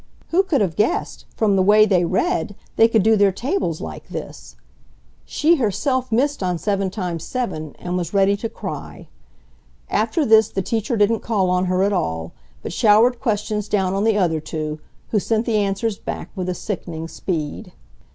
Who could have guessed, from the way they read, they could do their tables like this! She herself missed on 7 x 7 and was ready to cry. After this the teacher didn't call on her at all, but showered questions down on the other two, who sent the answers back with sickening speed.